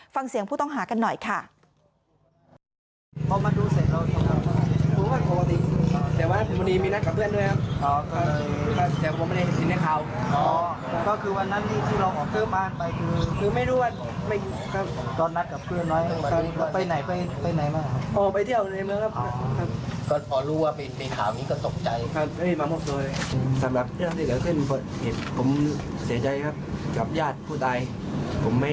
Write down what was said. ฟังเสียงผู้ต้องหากันหน่อยค่ะ